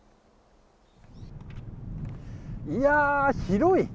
いやぁ、広い。